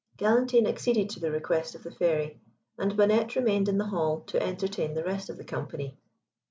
Galantine acceded to the request of the Fairy, and Bonnette remained in the hall to entertain the rest of the company.